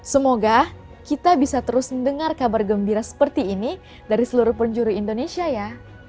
semoga kita bisa terus mendengar kabar gembira seperti ini dari seluruh penjuru indonesia ya